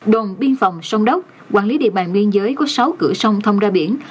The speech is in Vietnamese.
đồn biên phòng sông đốc quản lý địa bàn nguyên giới có sáu cửa sông thông ra biển